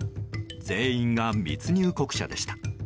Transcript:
全員が密入国者でした。